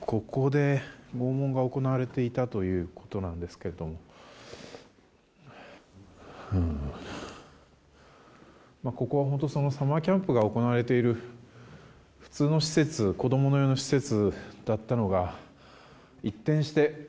ここで拷問が行われていたということなんですけれどもここはサマーキャンプが行われている普通の施設子供用の施設だったのが一転して。